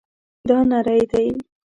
دا نری دی